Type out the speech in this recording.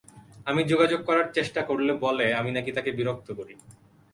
আমি যোগাযোগ করার চেষ্টা করলে বলে আমি নাকি তাকে বিরক্ত করি।